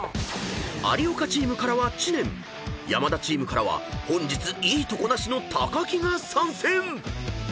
［有岡チームからは知念山田チームからは本日いいとこなしの木が参戦！］